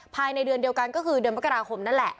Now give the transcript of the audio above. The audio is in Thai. ภายในเดือนเดียวกันก็คือเดือนมกราคมนั่นแหละ